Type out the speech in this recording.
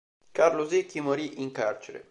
Carlo Secchi morì in carcere.